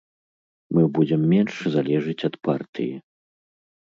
Мы будзем менш залежыць ад партыі.